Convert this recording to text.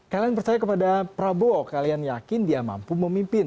kalian percaya kepada prabowo kalian yakin dia mampu memimpin